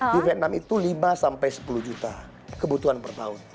di vietnam itu lima sampai sepuluh juta kebutuhan per tahun